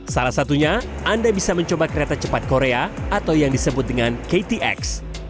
salah satunya anda bisa mencoba kereta cepat korea atau yang disebut dengan ktx